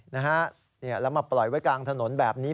แล้วมาปล่อยไว้กลางถนนแบบนี้